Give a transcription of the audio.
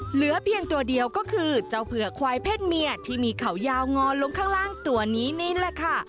เหลือเพียงตัวเดียวก็คือเจ้าเผือกควายเพศเมียที่มีเขายาวงอนลงข้างล่างตัวนี้นี่แหละค่ะ